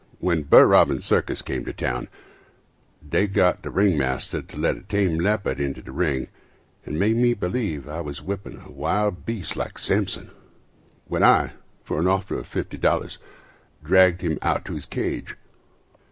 When Burr Robbins circus came to town They got the ring master to let a tame leopard Into the ring, and made me believe I was whipping a wild beast like Samson When I, for an offer of fifty dollars, Dragged him out to his cage.